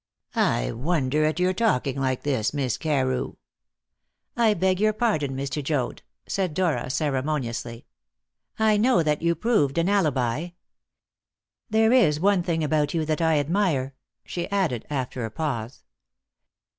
I wonder at your talking like this, Miss Carew." "I beg your pardon, Mr. Joad," said Dora ceremoniously. "I know that you proved an alibi. There is one thing about you that I admire," she added, after a pause.